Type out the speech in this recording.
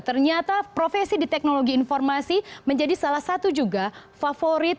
ternyata profesi di teknologi informasi menjadi salah satu juga favorit